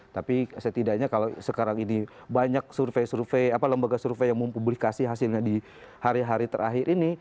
tapi setidaknya kalau sekarang ini banyak survei survei lembaga survei yang mempublikasi hasilnya di hari hari terakhir ini